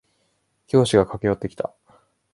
教師が駆け寄ってきた。